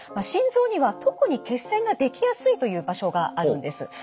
心臓には特に血栓ができやすいという場所があるんです。